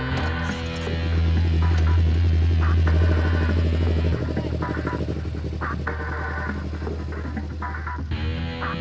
nggak ada yang bisa ngelakuin